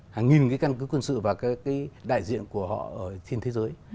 hàng nghìn cái căn cứ quân sự và các cái đại diện của họ ở trên thế giới